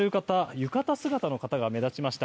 浴衣姿の方が目立ちました。